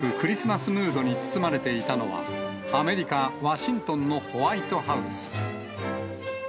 一足早くクリスマスムードに包まれていたのは、アメリカ・ワシントンのホワイトハウス。